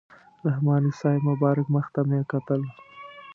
رحماني صاحب مبارک مخ ته مې کتل.